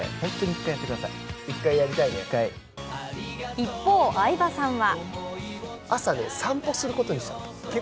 一方、相葉さんは？